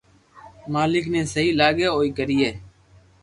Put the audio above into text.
مالڪ ني سھي لاگي اوئي ڪرئي